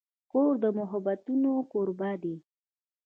کور د محبتونو کوربه دی.